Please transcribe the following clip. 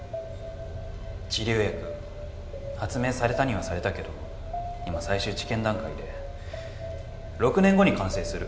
治療薬発明されたにはされたけど今最終治験段階で６年後に完成する。